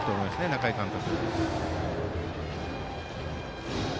中井監督。